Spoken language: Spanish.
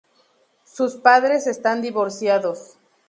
Sus padres están divorciados.